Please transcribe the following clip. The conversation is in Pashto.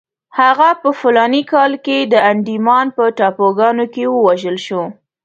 هغه په فلاني کال کې د انډیمان په ټاپوګانو کې ووژل شو.